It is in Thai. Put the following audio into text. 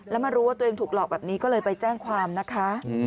แล้วมารู้ว่าตัวเองถูกหลอกแบบนี้ก็เลยไปแจ้งความนะคะ